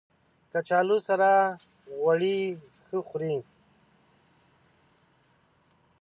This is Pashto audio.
کچالو سره غوړي ښه خوري